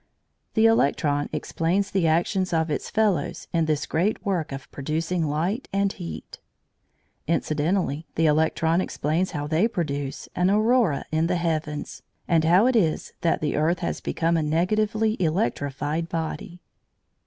The electron explains the actions of its fellows in this great work of producing light and heat. Incidentally the electron explains how they produce an aurora in the heavens, and how it is that the earth has become a negatively electrified body.